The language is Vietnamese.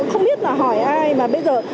không biết là hỏi ai mà bây giờ